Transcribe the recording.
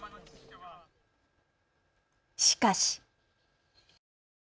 しかし。